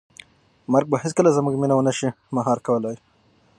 مرګ به هیڅکله زموږ مینه ونه شي مهار کولی.